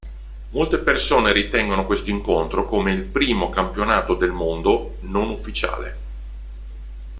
Molte persone ritengono questo incontro come il primo campionato del mondo non ufficiale.